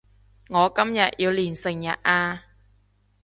我今日要練成日呀